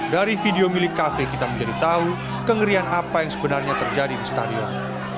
dari video milik kafe kita menjadi tahu kengerian apa yang sebenarnya terjadi di stadion